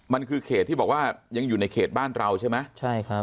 มันคือเขตที่บอกว่ายังอยู่ในเขตบ้านเราใช่ไหมใช่ครับ